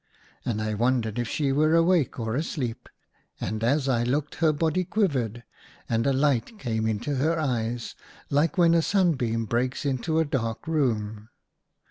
And I wondered if she were awake or asleep, And as I looked her body quivered, and a light came into her eyes, like when a sunbeam breaks into a dark room.